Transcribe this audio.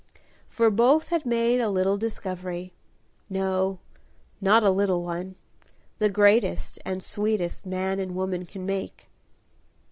For both had made a little discovery, no, not a little one, the greatest and sweetest man and woman can make.